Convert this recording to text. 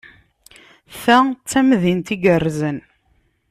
Ta d tamdint igerrzen.